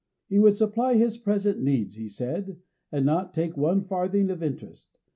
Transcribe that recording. He would supply his present needs, he said, and not take one farthing of interest.